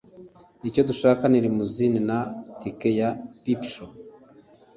Icyo dushaka ni limousine na tike ya peepshow.